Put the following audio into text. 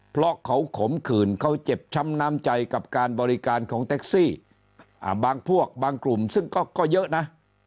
เพราะเขาขมขื่นเขาเจ็บช้ำน้ำใจกับการบริการของแท็กซี่บางพวกบางกลุ่มซึ่งก็เยอะนะ